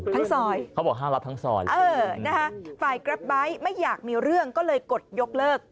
ซอยเขาบอกห้ามรับทั้งซอยฝ่ายแกรปไบท์ไม่อยากมีเรื่องก็เลยกดยกเลิก